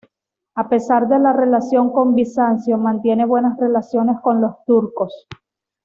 A pesar de la relación con Bizancio, mantiene buenas relaciones con los turcos.